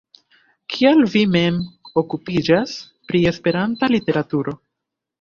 Kial vi mem okupiĝas pri Esperanta literaturo?